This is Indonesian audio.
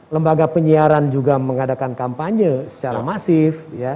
lembaga penyiaran juga mengadakan kampanye secara masif